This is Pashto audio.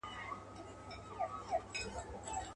نو پیاده څنګه روان پر دغه لار دی.